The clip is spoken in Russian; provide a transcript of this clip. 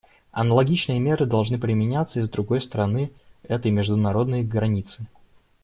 Аналогичные меры должны применяться и с другой стороны этой международной границы.